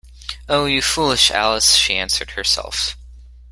‘Oh, you foolish Alice!’ she answered herself.